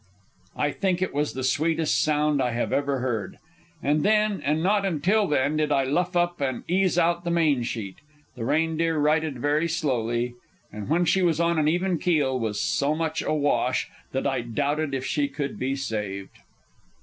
I think it was the sweetest sound I have ever heard. And then, and not until then, did I luff up and ease out the main sheet. The Reindeer righted very slowly, and when she was on an even keel was so much awash that I doubted if she could be saved.